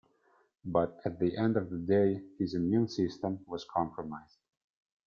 But at the end of the day, his immune system was compromised.